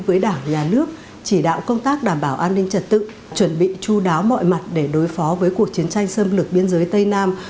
với đảng nhà nước chỉ đạo công tác đảm bảo an ninh trật tự chuẩn bị chú đáo mọi mặt để đối phó với cuộc chiến tranh xâm lược biên giới tây nam